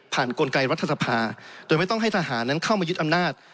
ผ่านกลไกรรัฐศพาโดยไม่ต้องให้ทหารเข้ามายึดอำนาจ